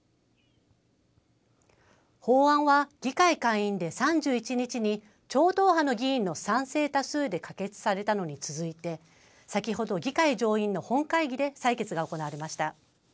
法案は議会下院で３１日に超党派の議員の賛成多数で可決されたのに続いて、先ほど議会上院の本会議で採決が行われました。